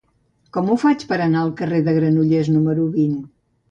Com ho faig per anar al carrer de Granollers número vint?